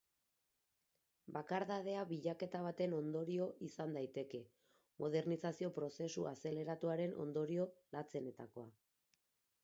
Bakardadea bilaketa baten ondorio izan daiteke, modernizazio prozesu azeleratuaren ondorio latzenetakoa.